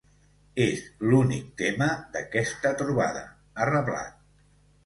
És l’únic tema d’aquesta trobada, ha reblat.